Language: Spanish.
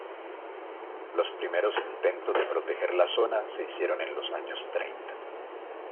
Los primeros intentos de proteger la zona se hicieron en los años treinta.